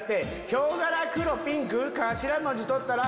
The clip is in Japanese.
ヒョウ柄黒ピンク頭文字取ったら